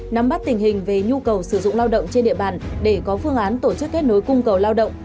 nắm bắt tình hình về nhu cầu sử dụng lao động trên địa bàn để có phương án tổ chức kết nối cung cầu lao động